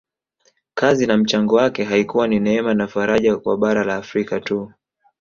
Kazi na mchango wake haikuwa ni neema na faraja kwa bara la Afrika tu